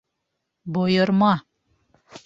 Бойорма!